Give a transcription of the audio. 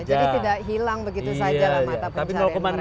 jadi tidak hilang begitu saja lah mata pencarian mereka